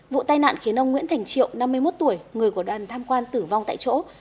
vụ tai nạn khiến ông nguyễn thành triệu năm mươi một tuổi người của đoàn tham quan tử vong tại chỗ